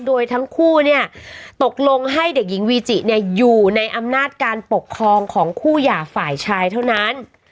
โดยทั้งคู่เนี่ยตกลงให้เด็กหญิงวีจิเนี่ยอยู่ในอำนาจการปกครองของคู่หย่าฝ่ายชายเท่านั้น